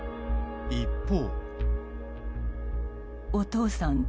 一方。